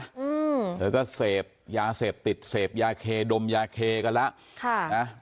เธอก็เซฟยาเซฟติดเซฟยาเคดมยาเคกันละ